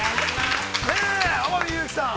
◆天海祐希さん。